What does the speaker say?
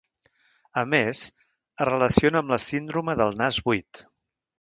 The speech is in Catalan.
A més, es relaciona amb la síndrome del nas buit.